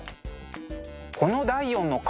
この第４の顔